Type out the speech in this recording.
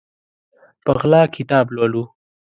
په غلا کتاب لولو